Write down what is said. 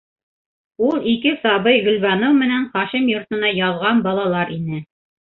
Ул ике сабый Гөлбаныу менән Хашим йортона яҙған балалар ине.